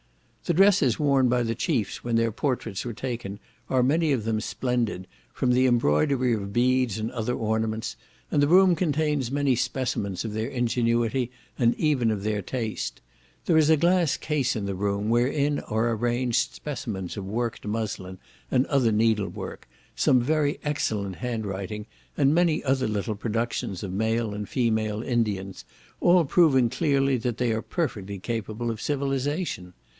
The dresses worn by the chiefs when their portraits were taken, are many of them splendid, from the embroidery of beads and other ornaments: and the room contains many specimens of their ingenuity, and even of their taste. There is a glass case in the room, wherein are arranged specimens of worked muslin, and other needlework, some very excellent handwriting, and many other little productions of male and female Indians, all proving clearly that they are perfectly capable of civilization.